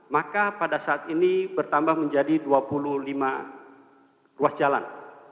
maka pada saat ini bertambah menjadi dua puluh lima ruas jalan